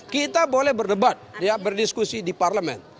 kita boleh berdebat ya berdiskusi di parlemen